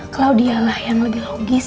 claudia lah yang lebih logis